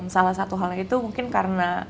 salah satu halnya itu mungkin karena